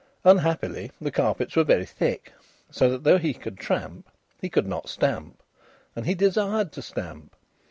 Unhappily, the carpets were very thick, so that though he could tramp, he could not stamp; and he desired to stamp.